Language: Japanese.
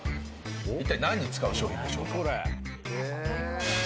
いったい何に使う商品でしょうか。